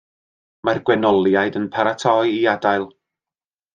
Mae'r gwenoliaid yn paratoi i adael.